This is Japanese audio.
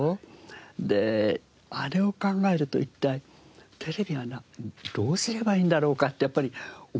であれを考えると一体テレビはどうすればいいんだろうかってやっぱり思いますよね。